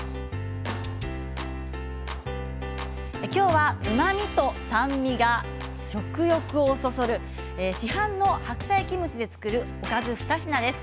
今日はうまみと酸味が食欲をそそる市販の白菜キムチで作るおかず２品です。